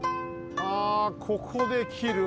あここできる。